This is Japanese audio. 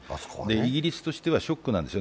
イギリスとしてはショックなんですよ。